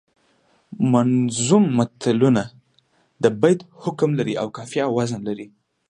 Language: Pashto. منظوم متلونه د بیت حکم لري او قافیه او وزن لري